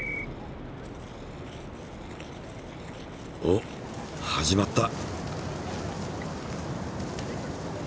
おっ始まった。